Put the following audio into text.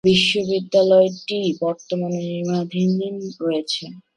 বিশ্ববিদ্যালয়টি বর্তমানে নির্মাণাধীন রয়েছে।